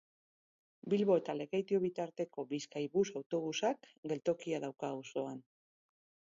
Bilbo eta Lekeitio bitarteko Bizkaibus autobusak geltokia dauka auzoan.